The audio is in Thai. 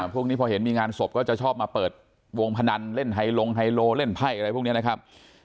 พวกนี้พอเห็นมีงานศพก็จะชอบมาเปิดวงพนันเล่นไฮลงไฮโลเล่นไพ่อะไรพวกนี้นะครับ